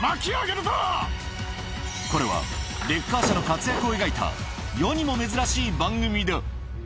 これは、レッカー車の活躍を描いた、世にも珍しい番組だ。